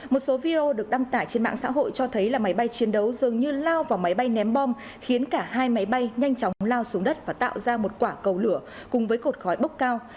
một số video được đăng tải trên mạng xã hội cho thấy là máy bay chiến đấu dường như lao vào máy bay ném bom khiến cả hai máy bay nhanh chóng lao xuống đất và tạo ra một quả cầu lửa cùng với cột khói bốc cao